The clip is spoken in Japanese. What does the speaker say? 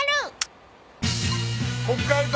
北海道